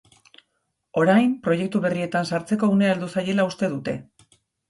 Orain, proiektu berrietan sartzeko unea heldu zaiela uste dute.